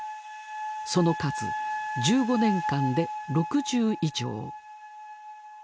その数１５年間で６０以上。